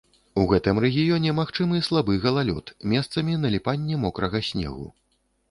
У гэтым рэгіёне магчымы слабы галалёд, месцамі наліпанне мокрага снегу.